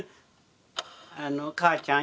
あの「母ちゃん」